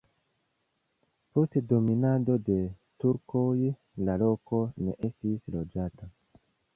Post dominado de turkoj la loko ne estis loĝata.